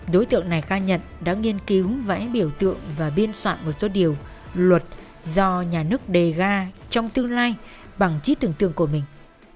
đối tượng này khai nhận đã nghiên cứu vẽ biểu tượng và biên soạn một số điều luật do nhà nước đề ga trong tương lai bằng trí tưởng tượng của mình